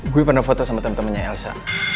gue pernah foto sama temen temennya elsa